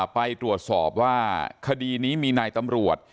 ไปตรวจสอบว่าคดีนี้มีนายตำรวจ